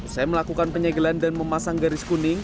saya melakukan penyegelan dan memasang garis kuning